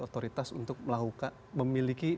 otoritas untuk melakukan memiliki